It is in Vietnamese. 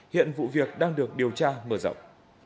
hiện vụ việc đang được điều tra mở rộng